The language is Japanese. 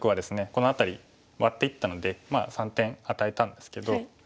この辺りワッていったので３点与えたんですけど。